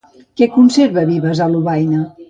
Què conserva Vives a Lovaina?